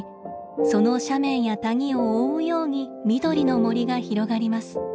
その斜面や谷を覆うように緑の森が広がります。